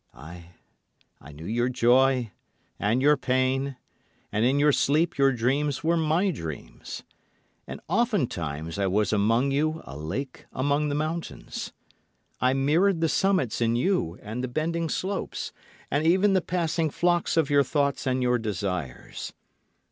Ay, I knew your joy and your pain, and in your sleep your dreams were my dreams. And oftentimes I was among you a lake among the mountains. I mirrored the summits in you and the bending slopes, and even the passing flocks of your thoughts and your desires.